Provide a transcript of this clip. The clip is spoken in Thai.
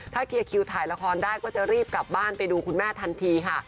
ถ้าเคลียร์คิวถ่ายละครได้ก็จะรีบกลับบ้านไปดูคุณแม่ทันทีค่ะ